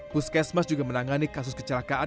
puskesmas juga menangani kasus kecelakaan